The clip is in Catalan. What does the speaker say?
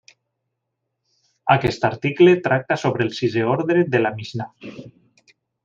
Aquest article tracta sobre el sisè ordre de la Mixnà.